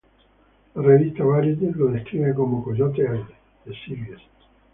La revista Variety lo describen como "Coyote Ugly: The Series".